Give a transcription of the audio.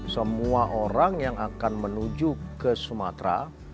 semua orang yang akan menuju ke sumatera